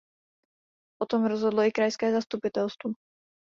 O tom rozhodlo i krajské zastupitelstvo.